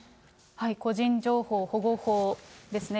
個人情報保護法ですね。